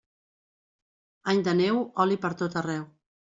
Any de neu, oli per tot arreu.